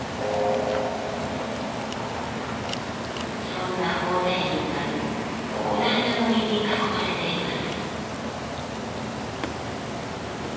そんな法然院は広大な森に囲まれています。